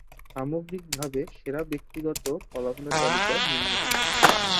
সামগ্রীকভাবে সেরা ব্যক্তিগত ফলাফলের তালিকা নিম্নরূপঃ-